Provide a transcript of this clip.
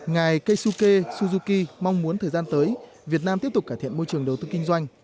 ngài kaisuke suzuki mong muốn thời gian tới việt nam tiếp tục cải thiện môi trường đầu tư kinh doanh